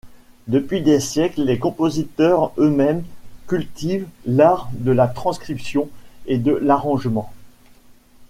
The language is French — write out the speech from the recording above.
Depuis des siècles les compositeurs eux-mêmes cultivent l'art de la transcription et de l'arrangement.